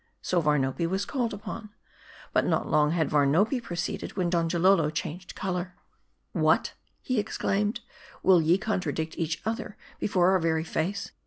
So Varnopi was called upon. VOL, i. N 290 M AUDI. But not long had "Varnopi proceeded, when Donjalolo changed color. " What !" he exclaimed ," will ye contradict each other before our very face.